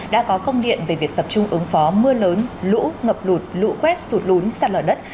đã có công điện về việc tập trung ứng phó mưa lớn lũ ngập lụt lũ quét sụt lún sạt lở đất